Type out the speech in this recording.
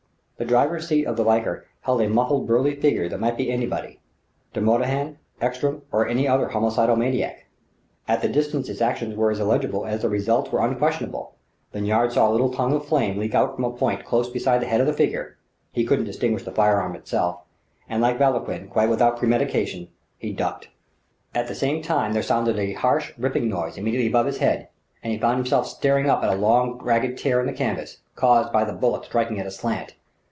The driver's seat of the Valkyr held a muffled, burly figure that might be anybody De Morbihan, Ekstrom, or any other homicidal maniac. At the distance its actions were as illegible as their results were unquestionable: Lanyard saw a little tongue of flame lick out from a point close beside the head of the figure he couldn't distinguish the firearm itself and, like Vauquelin, quite without premeditation, he ducked. At the same time there sounded a harsh, ripping noise immediately above his head; and he found himself staring up at a long ragged tear in the canvas, caused by the bullet striking it aslant.